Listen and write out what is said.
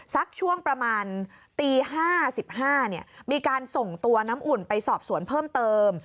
สักช่วงประมาณตี๕๑๕มีการส่งตัวน้ำอุ่นไปสอบสวนเพิ่มเติม